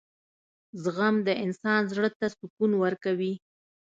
• زغم د انسان زړۀ ته سکون ورکوي.